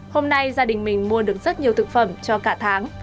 hôm nay gia đình mình mua được rất nhiều thực phẩm cho cả tháng